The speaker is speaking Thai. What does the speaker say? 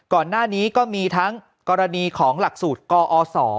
ก่อนหน้านี้ก็มีทั้งกรณีของหลักสูตรกอศ